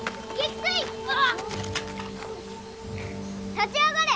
立ち上がれ！